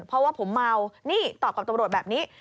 เพราะว่าผมเมานี่ตอบกับตำรวจแบบนี้